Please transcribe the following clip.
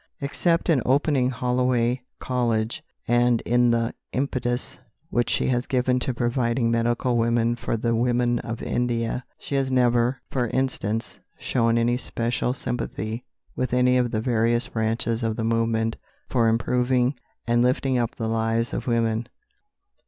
Except in opening Holloway College, and in the impetus which she has given to providing medical women for the women of India, she has never, for instance, shown any special sympathy with any of the various branches of the movement for improving and lifting up the lives of women.